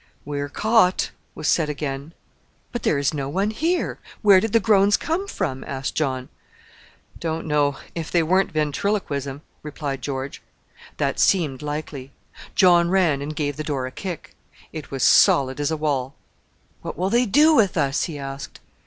"We're caught!" was said again. "But there is no one here: where did the groans come from?" asked John. "Don't know, if they weren't ventriloquism," replied George. That seemed likely. John ran and gave the door a kick: it was solid as a wall. "What will they do with us?" he asked.